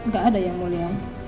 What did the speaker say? gak ada yang mulia